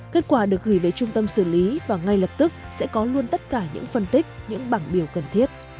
kết quả được gửi về trung tâm xử lý và ngay lập tức sẽ có luôn tất cả những phân tích những bảng biểu cần thiết